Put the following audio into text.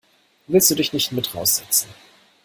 Willst du dich nicht mit raus setzen?